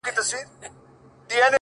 د خالق په انتظار کي يې ويده کړم _